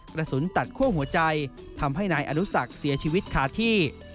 กระสุนตัดคั่วหัวใจทำให้นายอนุสักเสียชีวิตคาที่